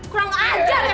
kurang ajar ya kalian